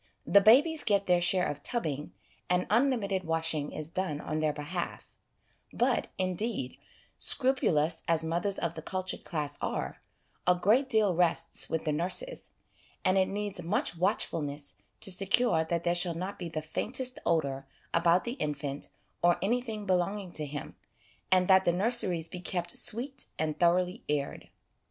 The babies get their share of tubbing, and unlimited washing is done on their behalf; but, indeed, scrupulous as mothers of the cultured class are, a great deal rests with the nurses, and it needs much watchfulness to secure that there shall not be the faintest odour about the infant or anything belonging to him, and that the nurseries be kept sweet and thoroughly aired.